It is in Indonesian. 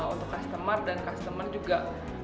untuk customer dan customer juga